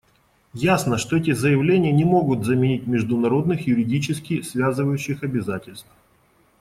Ясно, что эти заявления не могут заменить международных юридически связывающих обязательств.